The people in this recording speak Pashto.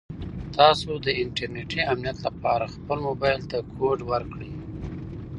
تاسو د انټرنیټي امنیت لپاره خپل موبایل ته کوډ ورکړئ.